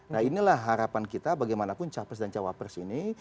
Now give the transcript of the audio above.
nah inilah harapan kita bagaimanapun capres dan cawapres ini